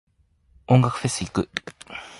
音楽フェス行く。